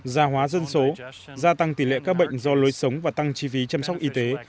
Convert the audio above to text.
gia hóa dân số gia tăng tỷ lệ các bệnh do lối sống và tăng chi phí chăm sóc y tế